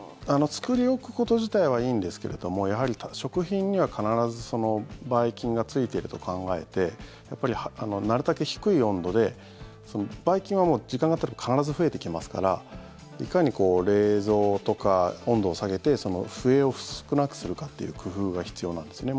作り置くこと自体はいいんですけれどもやはり食品には必ずばい菌がついていると考えてやっぱり、なるたけ低い温度でばい菌は時間がたつと必ず増えてきますからいかに冷蔵とか温度を下げて増えを少なくするかっていう工夫が必要なんですね。